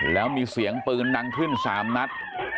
แล้วมีเสียงปืนดังขึ้น๓นัด